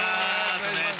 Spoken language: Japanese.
お願いします